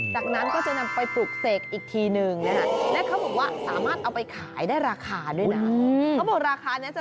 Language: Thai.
ปลอยไปจนถึงหลักพัน